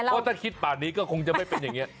ว่าถ้าคิดป่าญก็คงจะไม่เป็นอย่างนี้